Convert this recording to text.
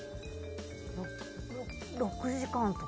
６時間とか？